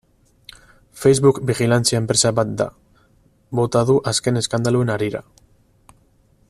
Facebook bijilantzia enpresa bat da, bota du azken eskandaluen harira.